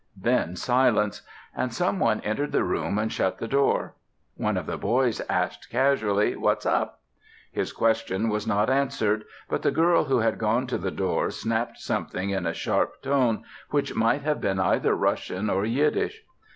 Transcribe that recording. Then silence; and some one entered the room and shut the door. One of the boys asked, casually, "What's up?" His question was not answered, but the girl who had gone to the door snapped something in a sharp tone which might have been either Russian or Yiddish.